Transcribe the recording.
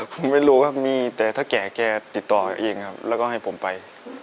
ผมไม่รู้ครับมีแต่ถ้าแก่แกติดต่อเองครับแล้วก็ให้ผมไป